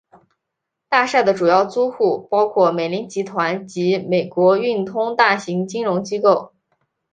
大厦的主要租户包括美林集团及美国运通大型金融机构。